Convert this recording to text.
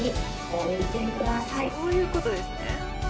こういうことですね。